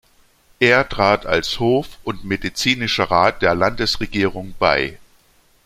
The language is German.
Er trat als Hof- und Medizinischer Rat der Landesregierung bei.